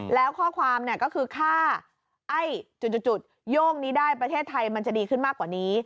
แล้วข้อความก็คือค่าไอ้จุดโย่งนี้ได้ประเทศไทยมันจะดีขึ้นมากกว่านี้